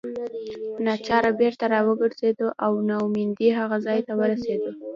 ناچاره بیرته راوګرځېدو او نا امیدۍ هغه ځای ته ورسېدو.